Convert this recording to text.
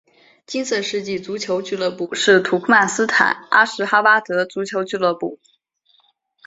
金色世纪足球俱乐部是土库曼斯坦阿什哈巴德足球俱乐部。